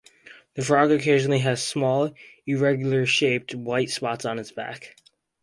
The frog occasionally has small, irregularly-shaped white spots on its back.